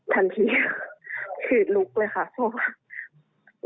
ทันทีค่ะคือลุกเลยค่ะเพราะว่า